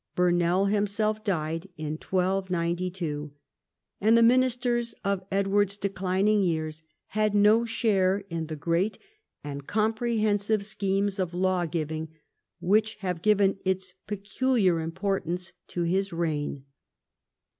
Burnell himself died in 1292, and the ministers of Edward's declining years had no share in the great and comprehensive schemes of law giving which have given its peculiar importance to his reign.